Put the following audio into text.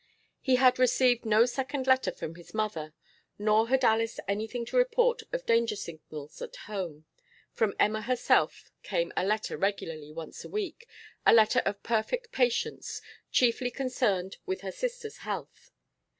He had received no second letter from his mother, nor had Alice anything to report of danger signals at home; from Emma herself came a letter regularly once a week, a letter of perfect patience, chiefly concerned with her sister's health.